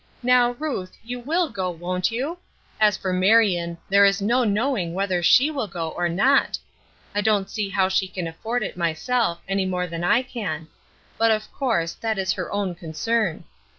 Now, Ruth, you will go, won't you? As for Marion, there is no knowing whether she will go or not. I don't see now she can afford it myself any more than I can; but, of course, that is her own concern.